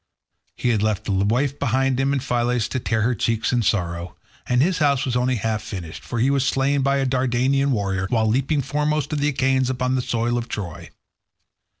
He had left a wife behind him in Phylace to tear her cheeks in sorrow, and his house was only half finished, for he was slain by a Dardanian warrior while leaping foremost of the Achaeans upon the soil of Troy.